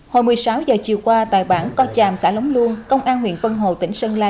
hồi một mươi sáu giờ chiều qua tại bản co chàm xã lóng luông công an huyện vân hồ tỉnh sơn la